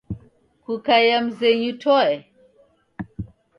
Kuakaiya mzenyu toe?